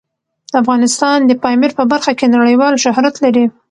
افغانستان د پامیر په برخه کې نړیوال شهرت لري.